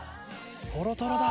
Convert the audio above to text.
トロトロだ！